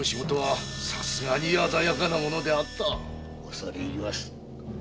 恐れ入ります。